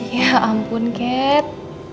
ya ampun kat